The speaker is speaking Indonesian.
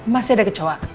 masih ada kecoa